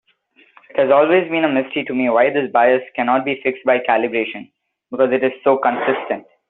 It has always been a mystery to me why this bias cannot be fixed by calibration, because it is so consistent.